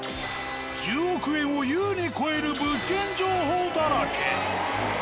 １０億円を優に超える物件情報だらけ。